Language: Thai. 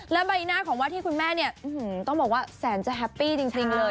และใบหน้าของว่าที่คุณแม่เนี่ยต้องบอกว่าแสนจะแฮปปี้จริงเลย